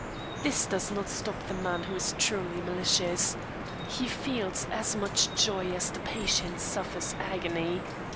This does not stop the man who is truly malicious. He feels as much joy as the patient suffers agony.